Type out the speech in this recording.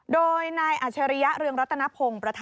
โดยนายอัชริยะเรืองรัตนพงศ์